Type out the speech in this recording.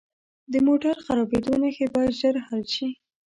د موټر خرابیدو نښې باید ژر حل شي.